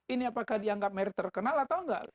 ini apakah dianggap miri terkenal atau enggak